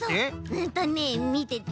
うんとねみてて。